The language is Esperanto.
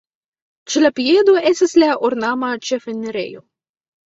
Ĉe la piedo estas la ornama ĉefenirejo.